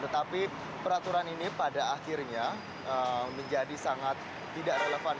tetapi peraturan ini pada akhirnya menjadi sangat tidak relevan